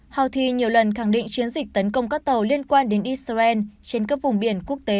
houthi nhiều lần khẳng định chiến dịch tấn công các tàu liên quan đến israel trên các vùng biển quốc tế